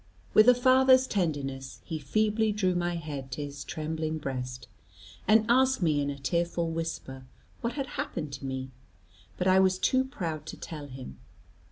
With a father's tenderness, he feebly drew my head to his trembling breast, and asked me in a tearful whisper what had happened to me. But I was too proud to tell him.